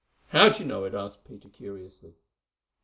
"How do you know it?" asked Peter curiously.